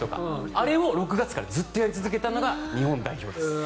あれを６月からずっとやり続けたのが日本代表です。